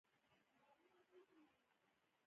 د صنعتي پارکونو وضعیت څنګه دی؟